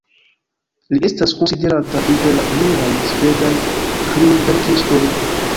Li estas konsiderata inter la unuaj svedaj krimverkistoj.